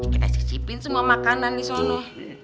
kita cicipin semua makanan di sana